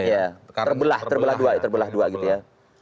iya terbelah terbelah dua terbelah dua gitu ya